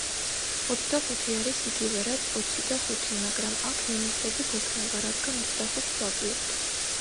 ოცდახუთი არის იგივე რაც ოცი და ხუთი, მაგრამ აქ მინუსები გვექნება რადგან ოცდახუთს ვაკლებთ.